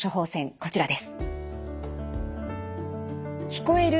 こちらです。